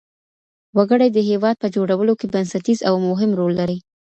وګړي د هېواد په جوړولو کي بنسټيز او مهم رول لري.